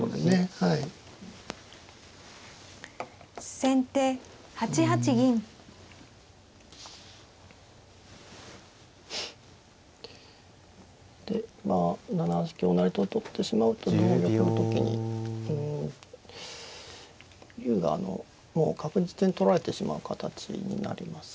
先手８八銀。でまあ７八香成と取ってしまうと同玉の時にうん竜があのもう確実に取られてしまう形になります。